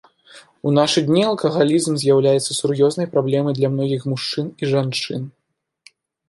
У нашы дні алкагалізм з'яўляецца сур'ёзнай праблемай для многіх мужчын і жанчын.